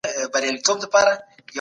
خوب د ورځني فعالیت بنسټ دی.